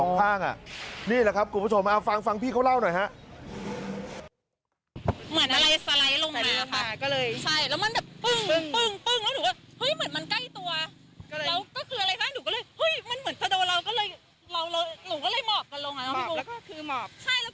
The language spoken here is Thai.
นี่ล่ะครับครับคุณผู้ชมมาฟังพี่เค้าเล่าหน่อย